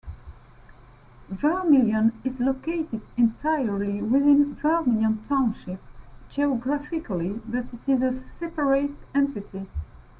Vermillion is located entirely within Vermillion Township geographically but is a separate entity.